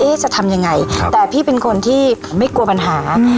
จะทำยังไงแต่พี่เป็นคนที่ไม่กลัวปัญหา